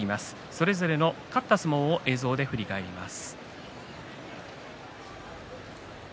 それぞれの勝った相撲を映像で振り返ります。